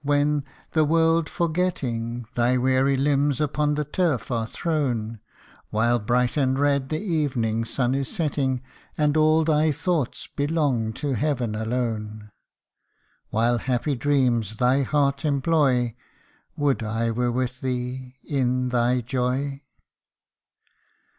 when, the world forgetting, Thy weary limbs upon the turf are thrown, While bright and red the evening sun is setting, And all thy thoughts belong to heaven alone : While happy dreams thy heart employ Would I were with thee in thy joy